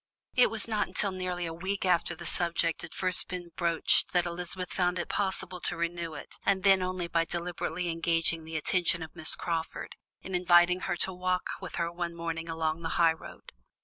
It was not until nearly a week after the subject had first been broached that Elizabeth found it possible to renew it, and then only by deliberately engaging the attention of Miss Crawford, in inviting her to walk with her one morning along the high road.